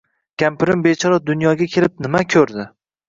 Kampirim bechora dunyoga kelib nima ko‘rdi.